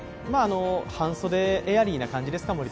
半袖、エアリーな感じですか？